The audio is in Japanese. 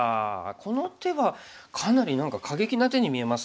この手はかなり何か過激な手に見えますが。